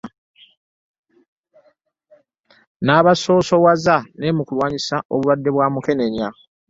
N'abasoosowaza ne mu kulwanyisa obulwadde bwa Mukenenya.